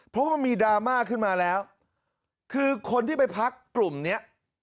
เพราะว่ามีดราม่าขึ้นมาแล้วคือคนที่ไปพักกลุ่มเนี้ย